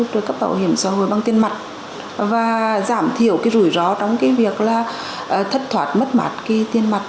trợ cấp bảo hiểm xã hội bằng tiền mặt và giảm thiểu rủi rõ trong việc thất thoạt mất mặt tiền mặt